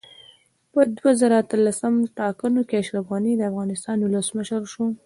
په دوه زره اتلسم ټاکنو کې اشرف غني دا افغانستان اولسمشر شو